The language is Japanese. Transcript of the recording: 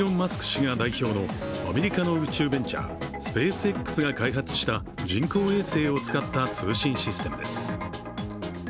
氏が代表のアメリカの宇宙ベンチャー、スペースＸが開発した人工衛星を使った通信システムです。